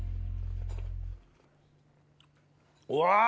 うわ！